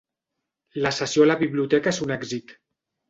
La sessió a la biblioteca és un èxit.